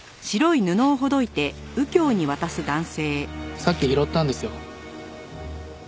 さっき拾ったんですよ。